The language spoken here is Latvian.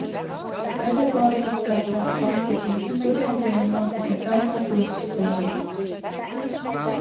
Pedagoģiskā prakse institūta studentiem notika Daugavpils skolās.